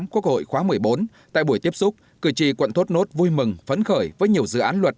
quốc hội khóa một mươi bốn tại buổi tiếp xúc cử tri quận thốt nốt vui mừng phấn khởi với nhiều dự án luật